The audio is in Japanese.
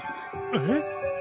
えっ？